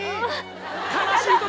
悲しい時。